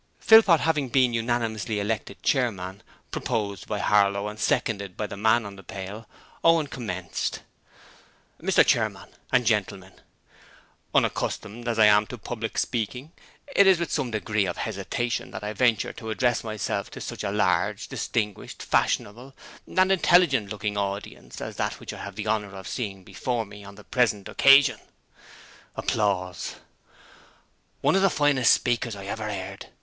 Philpot having been unanimously elected chairman, proposed by Harlow and seconded by the man on the pail, Owen commenced: 'Mr Chairman and gentlemen: 'Unaccustomed as I am to public speaking, it is with some degree of hesitation that I venture to address myself to such a large, distinguished, fashionable, and intelligent looking audience as that which I have the honour of seeing before me on the present occasion.' 'One of the finest speakers I've ever 'eard!'